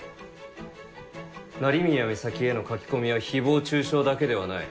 成宮美咲への書き込みは誹謗中傷だけではない。